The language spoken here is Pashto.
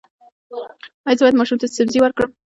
ایا زه باید ماشوم ته سبزي ورکړم؟